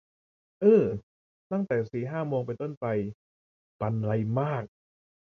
อือ ตั้งแต่สี่ห้าโมงเป็นต้นไป บรรลัยมาก